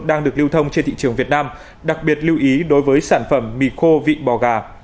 đang được lưu thông trên thị trường việt nam đặc biệt lưu ý đối với sản phẩm mì khô vị bò gà